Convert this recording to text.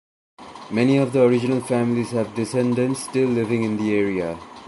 Many of the original families have descendants still living in the area.